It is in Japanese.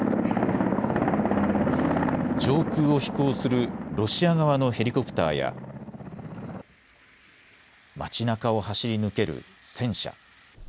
上空を飛行するロシア側のヘリコプターや街なかを走り抜ける戦車。